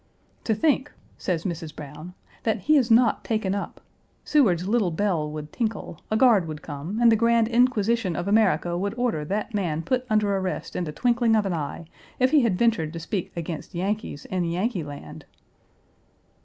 "To think," says Mrs. Browne, "that he is not taken up. Seward's little bell would tinkle, a guard would come, and the Grand Inquisition of America would order that man put under arrest in the twinkling of an eye, if he had ventured to speak against Yankees in Yankee land."